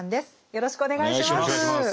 よろしくお願いします。